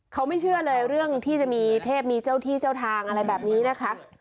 เขาไม่เชื่อเลยเรื่องที่จะมีเทพมีเจ้าที่เจ้าทางอะไรแบบนี้นะคะ